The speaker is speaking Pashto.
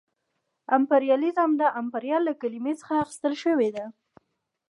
امپریالیزم د امپریال له کلمې څخه اخیستل شوې ده